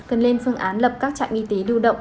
cần lên phương án lập các trại y tế đu động